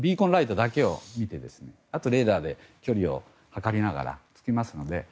ビーコンライトだけを見てレーダーで距離を測りながらですので。